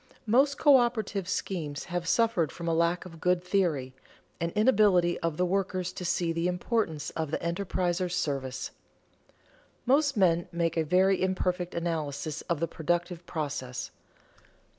_Most coöperative schemes have suffered from a lack of good theory, an inability of the workers to see the importance of the enterpriser's service._ Most men make a very imperfect analysis of the productive process.